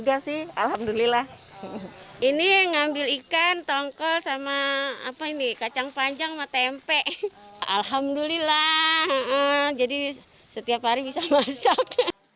alhamdulillah jadi setiap hari bisa masak